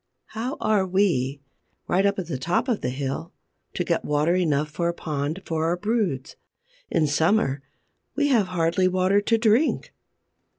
How are we, right up at the top of the hill, to get water enough for a pond for our broods? In summer, we have hardly water to drink!